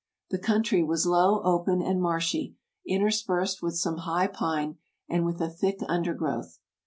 The country was low, open, and marshy, interspersed with some high pine and with a thick undergrowth.